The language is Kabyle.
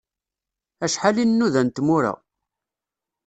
Acḥal i nnuda n tmura!